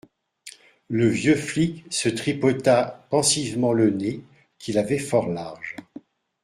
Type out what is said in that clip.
Le vieux flic se tripota pensivement le nez, qu’il avait fort large.